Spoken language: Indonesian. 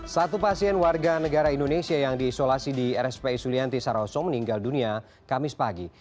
satu pasien warga negara indonesia yang diisolasi di rspi sulianti saroso meninggal dunia kamis pagi